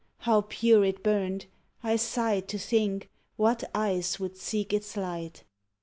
How pure it burned! I sighed to think What eyes would seek its light.